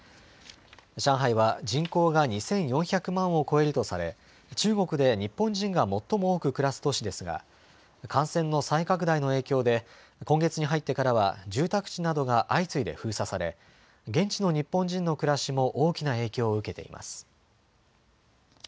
上海は人口が２４００万を超えるとされ中国で日本人が最も多く暮らす都市ですが感染の再拡大の影響で今月に入ってからは住宅地などが相次いで封鎖され現地の日本人の暮らしも大きな影響を受けています。